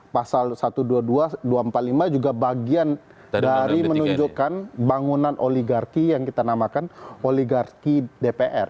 pasal satu ratus dua puluh dua dua ratus empat puluh lima juga bagian dari menunjukkan bangunan oligarki yang kita namakan oligarki dpr